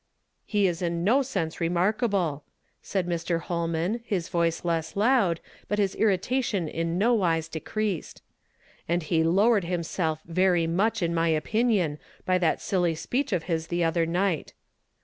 " He is in no sense remarkable," said ]\Ir. Hol man, his voice less loud, but his irritation in no wise decreased; "and he lowered himself very much in my opinion by that silly speech of his the other night.